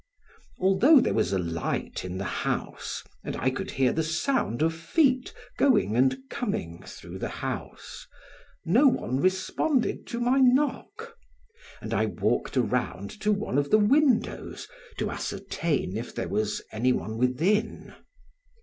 Although there was a light in the house and I could hear the sound of feet going and coming through the house, no one responded to my knock, and I walked around to one of the windows to ascertain if there was any one within.